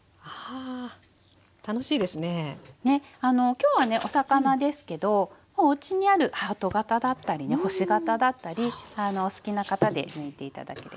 きょうはねお魚ですけどもうおうちにあるハート型だったりね星型だったりお好きな型で抜いて頂ければいいですね。